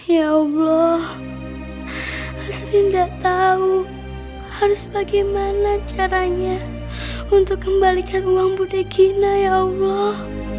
ya allah asri gak tahu harus bagaimana caranya untuk kembalikan uang budegina ya allah